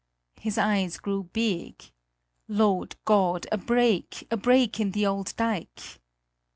His eyes grew big: "Lord God! A break! A break in the old dike!"